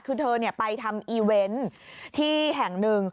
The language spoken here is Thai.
คือเธอไปทำอีเวนต์ที่แห่งหนึ่ง